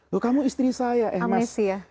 loh kamu istri saya eh mas